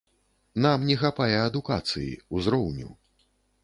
Нам не хапае адукацыі, узроўню.